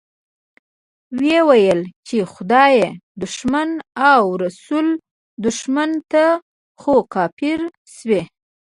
ويې ويل چې خدای دښمنه او رسول دښمنه، ته خو کافر شوې.